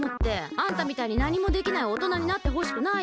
あんたみたいになにもできないおとなになってほしくないし。